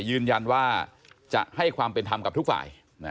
ยืนยันว่าจะให้ความเป็นธรรมกับทุกฝ่าย